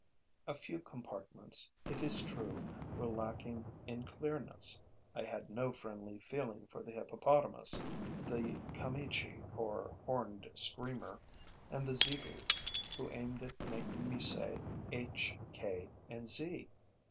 A few compartments, it is true, were lacking in clearness. I had no friendly feeling for the hippopotamus, the kamichi, or horned screamer, and the zebu, who aimed at making me say H, K and Z.